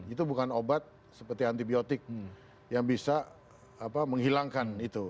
itu bukan obat seperti antibiotik yang bisa menghilangkan itu